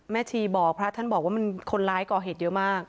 ชีบอกพระท่านบอกว่ามันคนร้ายก่อเหตุเยอะมาก